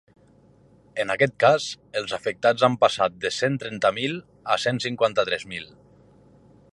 En aquest cas, els afectats han passat de cent trenta mil a cent cinquanta-tres mil.